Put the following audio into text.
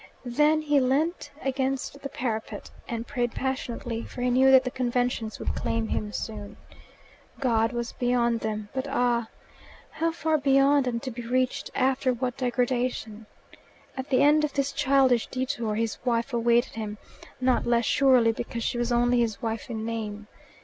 Then he leant against the parapet and prayed passionately, for he knew that the conventions would claim him soon. God was beyond them, but ah, how far beyond, and to be reached after what degradation! At the end of this childish detour his wife awaited him, not less surely because she was only his wife in name.